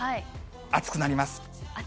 暑くなります。